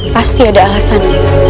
pasti ada alasan